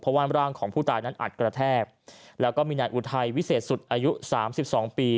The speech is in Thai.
เพราะว่าร่างของผู้ตายนั้นอัดกระแทกแล้วก็มีนายอุทัยวิเศษสุดอายุสามสิบสองปี